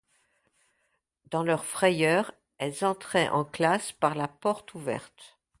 Dans leur frayeur, elles entraient en classe par la fenêtre ouverte.